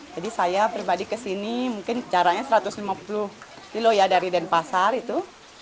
jadi saya pribadi ke sini mungkin jaraknya satu ratus lima puluh kilo dari denpasar itu